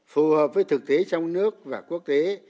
phù hợp với thực tế trong nước và quốc tế